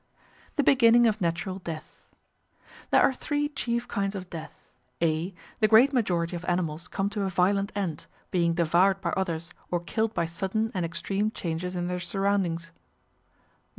The Beginning of Natural Death There are three chief kinds of death, (a) The great majority of animals come to a violent end, being devoured by others or killed by sudden and extreme changes in their surroundings.